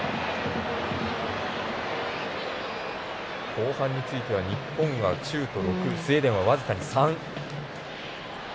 後半については日本がシュート６スウェーデンは僅かに３。